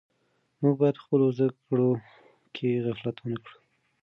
موږ باید په خپلو زده کړو کې غفلت ونه کړو.